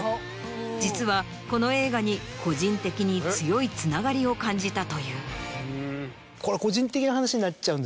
実はこの映画に個人的に強い繋がりを感じたという。